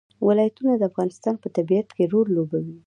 ولایتونه د افغانستان په طبیعت کې رول لوبوي.